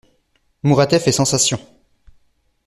Mouratet fait sensation.